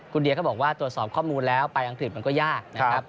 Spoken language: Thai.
คุณเดียก็บอกว่าตรวจสอบข้อมูลแล้วไปอังกฤษมันก็ยากนะครับ